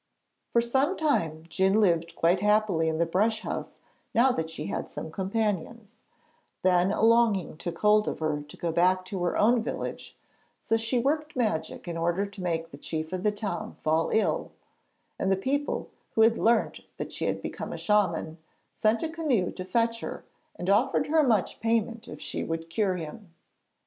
For some time Djun lived quite happily in the brush house now that she had some companions; then a longing took hold of her to go back to her own village, so she worked magic in order to make the chief of the town fall ill, and the people, who had learnt that she had become a shaman, sent a canoe to fetch her and offered her much payment if she would cure him.